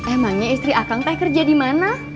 emangnya istri akang teh kerja di mana